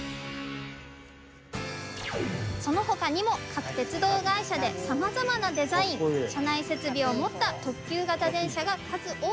その他にも各鉄道会社でさまざまなデザイン車内設備を持った特急形電車が数多く誕生。